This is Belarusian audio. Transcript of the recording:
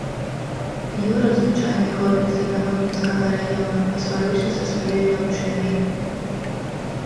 Юра, звычайны хлопец з аднаго мінскага раёна, пасварыўся са сваёй дзяўчынай.